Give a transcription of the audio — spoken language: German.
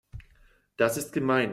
Das ist gemein.